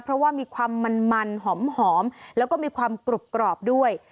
เพราะว่ามีความมันหอมแล้วก็มีความกรุบกรอบด้วย